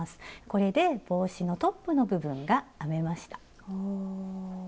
これで帽子のトップの部分が編めました。